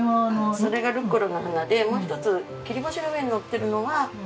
それがルッコラの花でもう１つ切り干しの上にのってるのは大根の花です。